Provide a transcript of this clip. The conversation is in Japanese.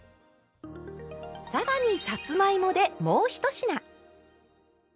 更にさつまいもでもう１品！